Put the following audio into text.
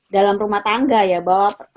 dalam rumah tangga ya bahwa